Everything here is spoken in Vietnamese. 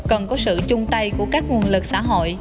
cần có sự chung tay của các nguồn lực xã hội